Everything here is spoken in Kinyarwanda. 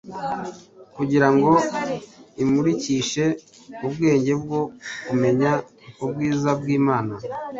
kugira ngo imurikishe ubwenge bwo kumenya ubwiza bw’Imana